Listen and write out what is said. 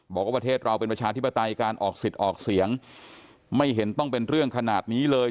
บอกว่าประเทศเราเป็นประชาธิปไตยการออกสิทธิ์ออกเสียงไม่เห็นต้องเป็นเรื่องขนาดนี้เลย